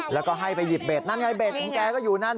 แล้วก็ให้ไปหยิบเบสนั่นไงเบสของแกก็อยู่นั่น